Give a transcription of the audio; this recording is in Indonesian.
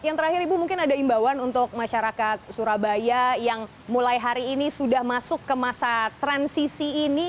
yang terakhir ibu mungkin ada imbauan untuk masyarakat surabaya yang mulai hari ini sudah masuk ke masa transisi ini